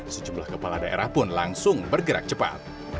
sejumlah kepala daerah pun langsung bergerak cepat